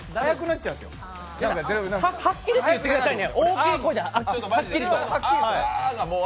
はっきりと言ってくださいね。